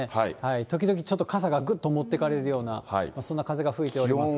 時々ちょっと傘がぐっと持ってかれるような、そんな風が吹いておりますが。